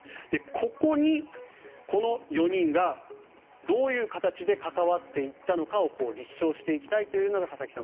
ここに、この４人がどういう形で関わっていったのかを立証していきたいというのが佐々木さん